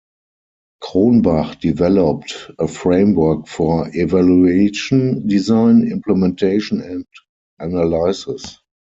Cronbach developed a framework for evaluation design, implementation and analysis.